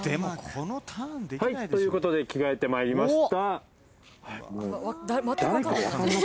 はい、ということで着替えてまいりました。